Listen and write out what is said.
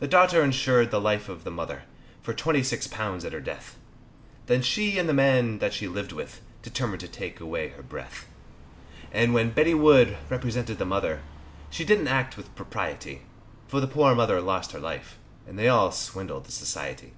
The daughter insured the life of the mother, For twenty six pounds at her death, Then she and the man that she lived with Determined to take away her breath. And when Betty Wood represented the mother, She did'nt act with propriety, For the poor mother lost her life, And they all swindled the Society.